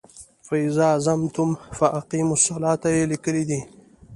"فاذا اظماننتم فاقیموالصلواته" یې لیکلی دی.